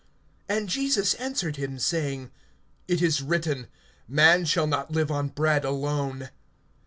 (4)And Jesus answered him, saying: It is written, Man shall not live on bread alone.